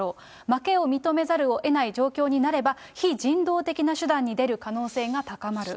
負けを認めざるをえない状況になれば、非人道的な手段に出る可能性が高まる。